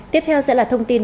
tiếp theo sẽ là thông tin